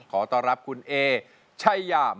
ขอต้อนรับคุณเอชายามิตยัยครับ